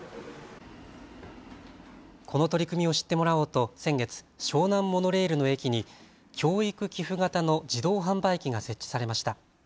この取り組みを知ってもらおうと先月、湘南モノレールの駅に教育寄付型の自動販売機が設置されました。